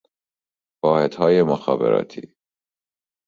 واحدهای مخابراتی